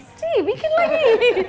sri bikin lagi